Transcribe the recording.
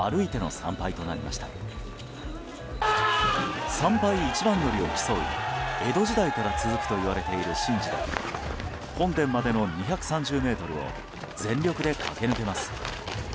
参拝一番乗りを競う江戸時代から続くといわれている神事で本殿までの２３０ｍを全力で駆け抜けます。